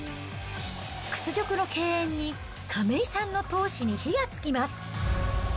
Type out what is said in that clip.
屈辱の敬遠に、亀井さんの闘志に火がつきます。